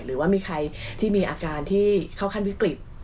หรือว่ามีใครที่มีอาการที่เข้าขั้นวิกฤต